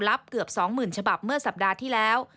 รับเกือบสองหมื่นฉบับเมื่อสัปดาห์ที่แล้ว